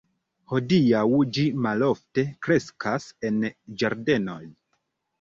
Hodiaŭ ĝi malofte kreskas en ĝardenoj.